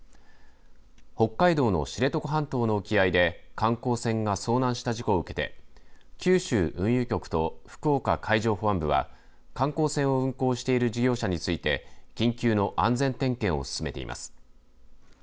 北海道の知床半島の沖合で観光船が遭難した事故を受けて九州運輸局と福岡海上保安部は観光船を運航している事業者について緊急の安全点検を進めています。